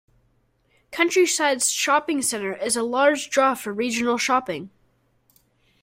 Countryside Shopping Center is a large draw for regional shopping.